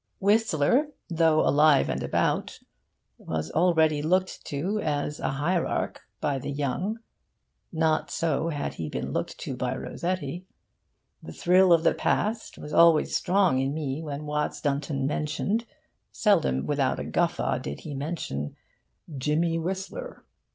Whistler, though alive and about, was already looked to as a hierarch by the young. Not so had he been looked to by Rossetti. The thrill of the past was always strong in me when Watts Dunton mentioned seldom without a guffaw did he mention 'Jimmy Whistler.